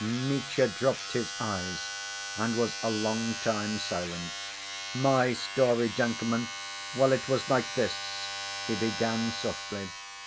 Mitya dropped his eyes and was a long time silent. "My story, gentlemen? Well, it was like this," he began softly.